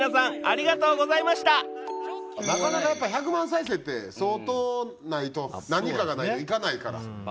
なかなか１００万回再生って相当何かがないといかないから。